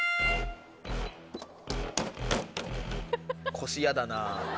腰嫌だな。